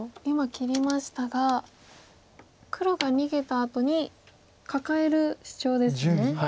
今切りましたが黒が逃げたあとにカカえるシチョウですね。